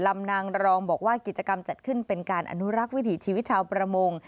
นางรองบอกว่ากิจกรรมจัดขึ้นเป็นการอนุรักษ์วิถีชีวิตชาวประมง